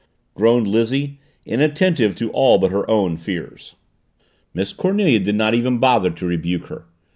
groaned Lizzie inattentive to all but her own fears. Miss Cornelia did not even bother to rebuke her.